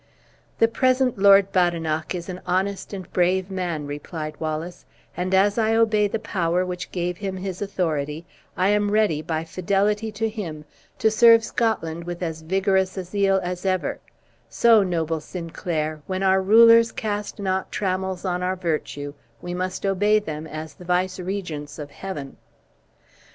"The present Lord Badenoch is an honest and a brave man," replied Wallace; "and as I obey the power which gave him his authority, I am ready, by fidelity to him, to serve Scotland with as vigorous a zeal as ever; so, noble Sinclair, when our rulers cast not trammels on our virtue, we must obey them as the vicegerents of Heaven."